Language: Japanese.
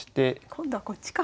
今度はこっちか。